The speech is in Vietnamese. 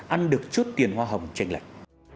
ăn được chút tiền hoa hồng chanh lạch